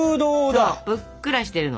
そうぷっくらしてるの。